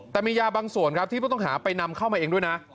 แต่มียาบางส่วนครับที่ผู้ต้องหาไปนำเข้ามาเองด้วยนะ